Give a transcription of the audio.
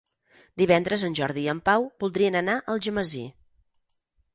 Divendres en Jordi i en Pau voldrien anar a Algemesí.